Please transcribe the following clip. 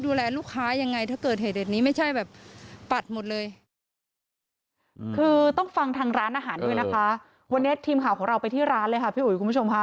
วันนี้ทีมข่าวของเราไปที่ร้านเลยค่ะพี่อุ๋ยคุณผู้ชมค่ะ